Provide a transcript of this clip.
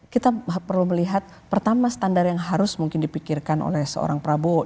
kita perlu melihat pertama standar yang harus mungkin dipikirkan oleh seorang prabowo